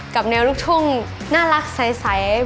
กับแนวลูกทุ่งน่ารักใส